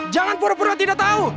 jangan pura pura tidak tahu